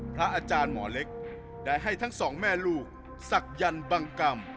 พระอาจารย์หมอเล็กได้ให้ทั้งสองแม่ลูกศักยันต์บังกรรม